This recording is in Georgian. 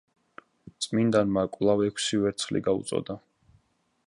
წმიდანმა კვლავ ექვსი ვერცხლი გაუწოდა.